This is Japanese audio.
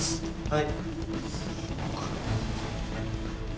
はい。